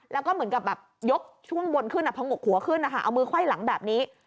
แล้วก็เหมือนกับแบบยกช่วงบนขึ้นพองกหัวขึ้นนะคะเอามือไขว้หลังแบบนี้